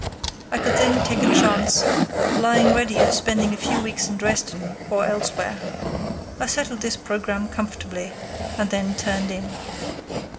I could then take a chance lying ready of spending a few weeks in Dresden or elsewhere. I settled this programme comfortably and then turned in.